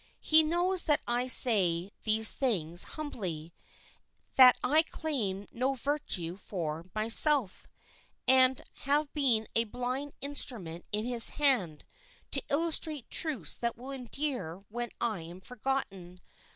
He knows that I say these things humbly, that I claim no virtue for myself, and have been a blind instrument in His hand, to illustrate truths that will endure when I am forgotten.